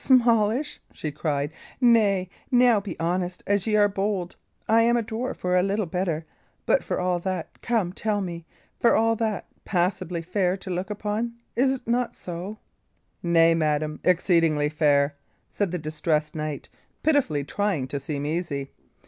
"Smallish!" she cried. "Nay, now, be honest as ye are bold; I am a dwarf, or little better; but for all that come, tell me! for all that, passably fair to look upon; is't not so?" "Nay, madam, exceedingly fair," said the distressed knight, pitifully trying to seem easy.